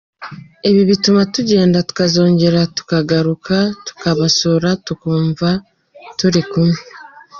Ibi bituma tugenda tukazongera tukagaruka tukabasura tukumva turi kumwe.